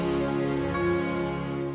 ada dokter di ruangan